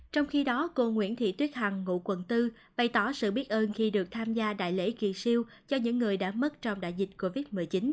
trong khi đó cô nguyễn thị tuyết hằng ngụ quận bốn bày tỏ sự biết ơn khi được tham gia đại lễ kỳ siêu cho những người đã mất trong đại dịch covid một mươi chín